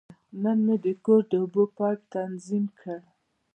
نن مې د کور د اوبو پایپ تنظیم کړ.